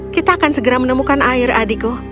kita akan segera menemukan air adiko